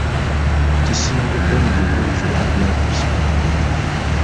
Kisimbuddwa mu bibuuzou. ebyabuuzibwa abantu.